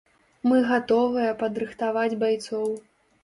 Мы гатовыя падрыхтаваць байцоў.